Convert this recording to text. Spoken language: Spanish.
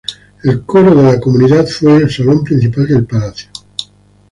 El coro de la comunidad fue el salón principal del palacio.